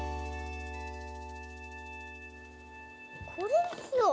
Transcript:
これにしよう。